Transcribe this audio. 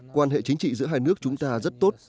quan hệ chính trị giữa hai nước chúng ta rất tốt